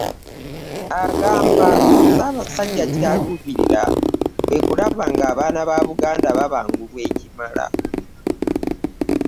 Agamba Ssaabasajja ky'aluubirira kwe kulaba ng'abaana ba Buganda babangulwa ekimala